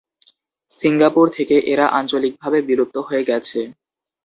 Singapore থেকে এরা আঞ্চলিকভাবে বিলুপ্ত হয়ে গেছে।